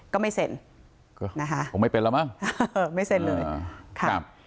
ผมไม่เป็นแล้วมั้ง